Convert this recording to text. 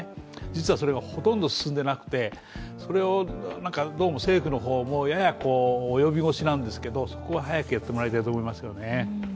実はほとんどそれが進んでいなくてそれをどうも政府の方も、やや及び腰なんですがそこは早くやってもらいたいと思いますよね。